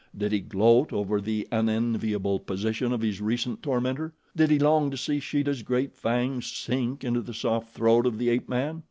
Did he gloat over the unenviable position of his recent tormentor? Did he long to see Sheeta's great fangs sink into the soft throat of the ape man?